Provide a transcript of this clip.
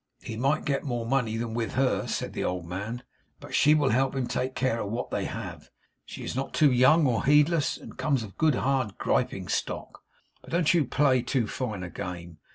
'He might get more money than with her,' said the old man, 'but she will help him to take care of what they have. She is not too young or heedless, and comes of a good hard griping stock. But don't you play too fine a game.